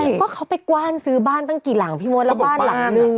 ก็เขาไปกว้านซื้อบ้านตั้งกี่หลังพี่มดแล้วบ้านหลังนึง